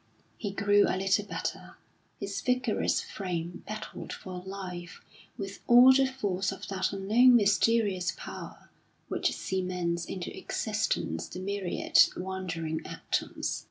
He grew a little better; his vigorous frame battled for life with all the force of that unknown mysterious power which cements into existence the myriad wandering atoms.